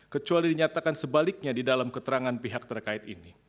kecuali dinyatakan sebaliknya di dalam keterangan pihak terkait ini